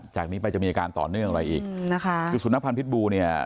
จากนี้ไปจะมีอาการต่อเนื่องอะไรอีกนะคะคือสุนัขพันธ์พิษบูเนี่ย